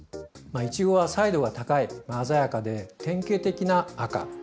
いちごは彩度が高い鮮やかで典型的な赤。